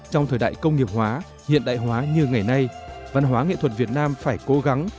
trong thời đại công nghiệp hóa hiện đại hóa như ngày nay văn hóa nghệ thuật việt nam phải cố gắng